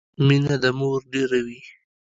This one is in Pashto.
مينه د مور ډيره وي